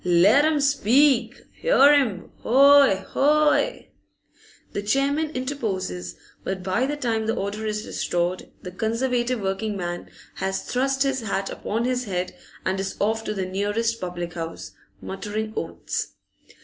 'Let him speak! 'Ear him! Hoy! Hoy!' The chairman interposes, but by the time that order is restored the Conservative working man has thrust his hat upon his head and is off to the nearest public house, muttering oaths.